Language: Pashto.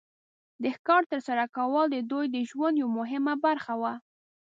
د ښکار تر سره کول د دوی د ژوند یو مهمه برخه وه.